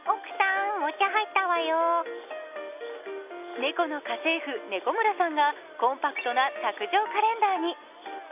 猫の家政婦、猫村さんがコンパクトな卓上カレンダーに。